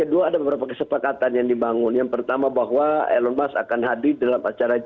yang kedua ada beberapa kesepakatan yang dibangun yang pertama bahwa elon musk akan hadir di dalam acara g dua puluh nanti di amerika